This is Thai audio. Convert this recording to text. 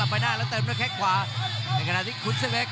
ไปหน้าและเติมมันแคล็ดขวาอย่างขณะที่ขุนศกเล็ก